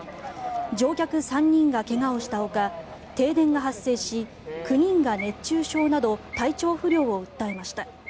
乗客３人が怪我をしたほか停電が発生し９人が熱中症など体調不良を訴えました。